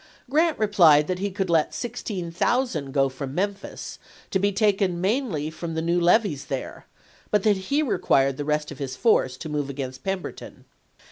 Grant replied that he could let 16,000 go from Memphis, to be taken mainly from the new levies there; but that he required the rest of his force to move against Pemberton.